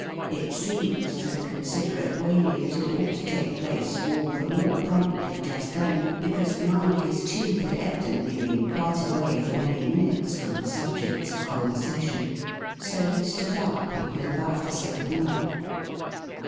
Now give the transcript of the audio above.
It seemed to the considerate Waley that it ought to take place all the more promptly just then because the mind of his chief had evidently been quite away for many minutes from the subjects of con versation. So he stood up, and was about to say good night.